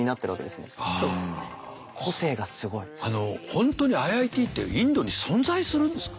本当にＩＩＴってインドに存在するんですか？